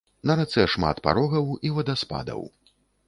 На рацэ шмат парогаў і вадаспадаў.